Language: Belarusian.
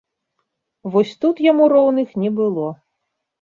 Вось тут яму роўных не было.